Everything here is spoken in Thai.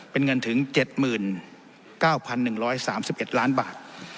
เป็นเงินถึงเจ็ดหมื่นเก้าพันหนึ่งร้อยสามสิบเอ็ดล้านบาท